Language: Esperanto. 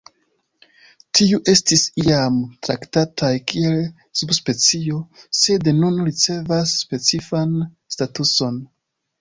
Tiu estis iam traktataj kiel subspecio, sed nun ricevas specifan statuson.